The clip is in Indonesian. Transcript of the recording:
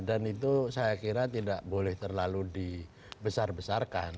dan itu saya kira tidak boleh terlalu dibesar besarkan